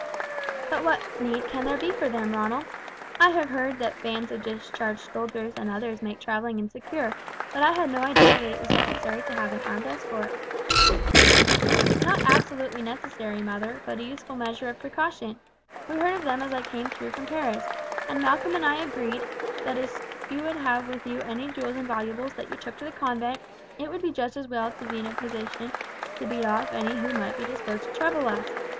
"But what need can there be for them, Ronald? I have heard that bands of discharged soldiers and others make travelling insecure; but I had no idea that it was necessary to have an armed escort." "Not absolutely necessary, mother, but a useful measure of precaution. We heard of them as we came through from Paris, and Malcolm and I agreed, that as you would have with you any jewels and valuables that you took to the convent, it would be just as well to be in a position to beat off any who might be disposed to trouble us.